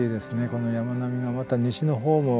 この山並みがまた西の方も。